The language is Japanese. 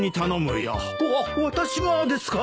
わ私がですか！？